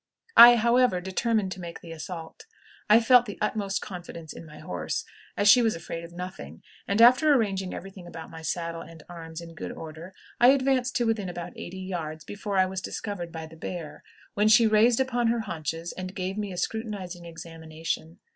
I, however, determined to make the assault. I felt the utmost confidence in my horse, as she was afraid of nothing; and, after arranging every thing about my saddle and arms in good order, I advanced to within about eighty yards before I was discovered by the bear, when she raised upon her haunches and gave me a scrutinizing examination.